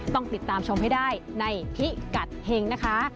ต้องติดตามชมให้ได้ในพิกัดเห็งนะคะ